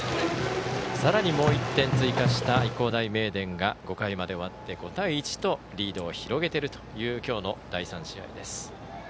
さらに、もう１点追加した愛工大名電が５回まで終わって５対１とリードを広げているという今日の第３試合です。